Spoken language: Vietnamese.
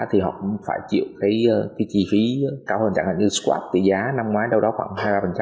thì họ cũng phải chịu cái chi phí cao hơn chẳng hạn như sput tỷ giá năm ngoái đâu đó khoảng hai mươi